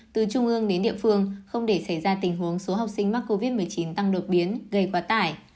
từ trung ương đến địa phương không để xảy ra tình huống số học sinh mắc covid một mươi chín tăng đột biến gây quá tải